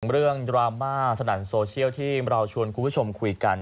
ดราม่าสนั่นโซเชียลที่เราชวนคุณผู้ชมคุยกัน